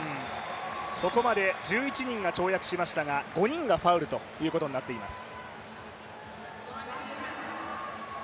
ここまで１１人が跳躍しましたが５人がファウルということになっています。